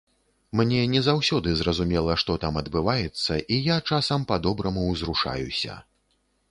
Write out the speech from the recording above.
Мне не заўсёды зразумела, што там адбываецца, і я часам па-добраму ўзрушаюся.